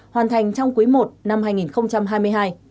hoàn thành trong quý i năm hai nghìn hai mươi hai